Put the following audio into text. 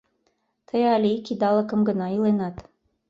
Тый але ик идалыкым гына иленат.